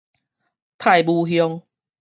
泰武鄉